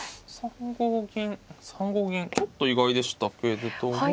３五銀３五銀ちょっと意外でしたけれども。